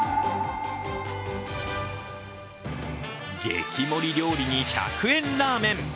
激盛り料理に１００円ラーメン。